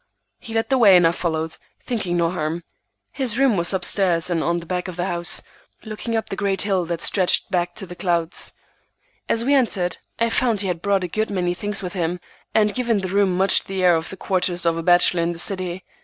He led the way and I followed, thinking no harm. His room was up stairs and on the back of the house, looking up the great hill that stretched back to the clouds. As we entered, I found he had brought a good many things with him, and given the room much the air of the quarters of a bachelor in the city.